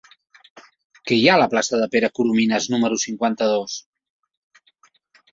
Què hi ha a la plaça de Pere Coromines número cinquanta-dos?